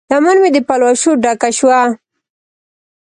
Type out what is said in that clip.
لمن مې د پلوشو ډکه شوه